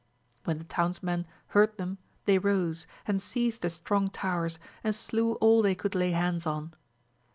When the towns men heard them they rose, and seized the strong towers, and slew all they could lay hands on.